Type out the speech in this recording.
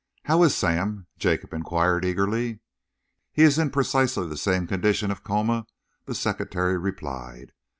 "How is Sam?" Jacob enquired eagerly. "He is in precisely the same condition of coma," the secretary replied.